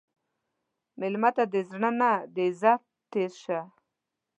مېلمه ته د زړه نه د عزت تېر شه.